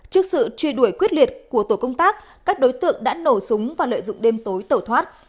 trước sự truy đuổi quyết liệt của tổ công tác các đối tượng đã nổ súng và lợi dụng đêm tối tẩu thoát